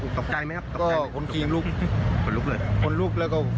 ต้องใกล้ไหมครับก็คนครีมลุกคนลุกเลยคนลุกแล้วก็หัว